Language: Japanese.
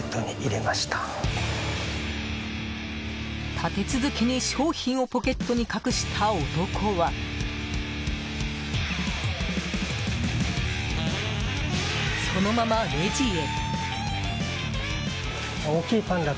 立て続けに商品をポケットに隠した男はそのままレジへ。